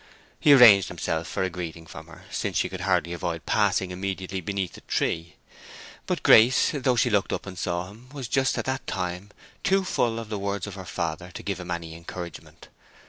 He arranged himself for a greeting from her, since she could hardly avoid passing immediately beneath the tree. But Grace, though she looked up and saw him, was just at that time too full of the words of her father to give him any encouragement.